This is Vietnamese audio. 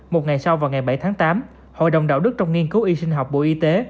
một ngày sau vào ngày bảy tháng tám hội đồng đạo đức trong nghiên cứu y sinh học bộ y tế